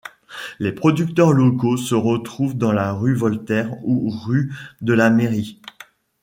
Les producteurs locaux se retrouvent dans la rue Voltaire ou rue de la Mairie.